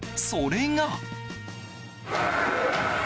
それが。